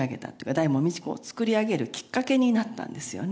大門未知子を作り上げるきっかけになったんですよね。